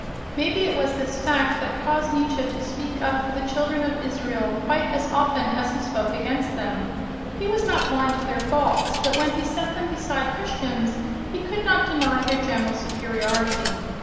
Maybe it was this fact that caused Nietzsche to speak up for the children of Israel quite as often as he spoke against them. He was not blind to their faults, but when he set them beside Christians he could not deny their general superiority.